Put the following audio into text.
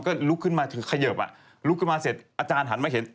ก็ลุกขึ้นมาถือเขยิบอ่ะลุกขึ้นมาเสร็จอาจารย์หันมาเห็น